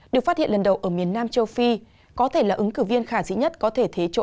được phát hiện lần đầu ở miền nam châu phi có thể là ứng cử viên khả dĩ nhất có thể thế châu